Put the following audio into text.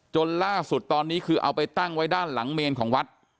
จนล่าสุดตอนนี้คือเอาไปตั้งไว้ด้านหลังเมนของวัด